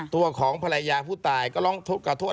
ตัวของภรรยาผู้ตายก็ร้องขอโทษ